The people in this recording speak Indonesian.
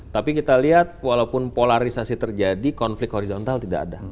tapi kita lihat walaupun polarisasi terjadi konflik horizontal tidak ada